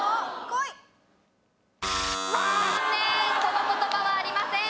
この言葉はありません。